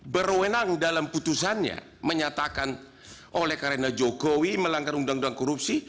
berwenang dalam putusannya menyatakan oleh karena jokowi melanggar undang undang korupsi